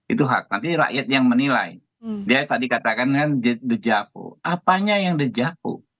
itu hak nanti rakyat yang menilai dia tadi katakan kan dejapu apanya yang dejau